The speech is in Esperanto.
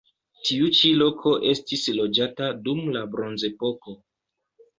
Tiu ĉi loko estis loĝata dum la bronzepoko.